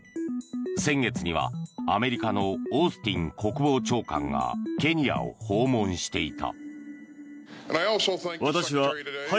先月にはアメリカのオースティン国防長官がケニアを訪問していた。